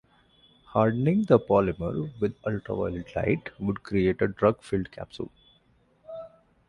Hardening the polymer with ultraviolet light would create a drug filled capsule.